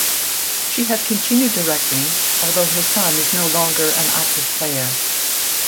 She has continued directing, although her son is no longer an active player.